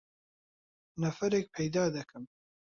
نەفەرێک پەیدا دەکەم.